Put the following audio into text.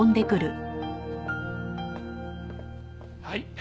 はい。